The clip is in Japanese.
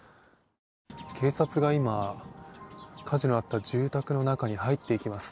警察が今、火事のあった住宅の中に入っていきます。